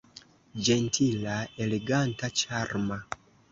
Ĝentila, eleganta, ĉarma!